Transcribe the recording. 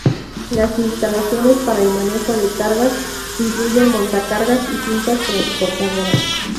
Las instalaciones para el manejo de cargas incluyen montacargas y cintas transportadoras.